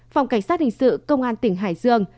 phòng cảnh sát hình sự công an tỉnh hải dương